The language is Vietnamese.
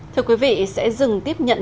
thưa quý vị sẽ dừng tiếp nhận